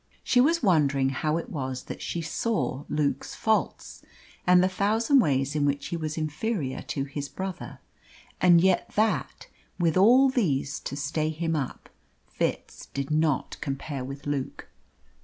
She was wondering how it was that she saw Luke's faults and the thousand ways in which he was inferior to his brother, and yet that with all these to stay him up Fitz did not compare with Luke.